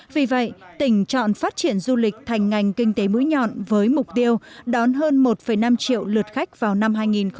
vì vậy tỉnh chọn phát triển du lịch thành ngành kinh tế mũi nhọn với mục tiêu đón hơn một năm triệu lượt khách vào năm hai nghìn hai mươi